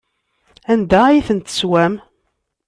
Anda ay tent-teswam?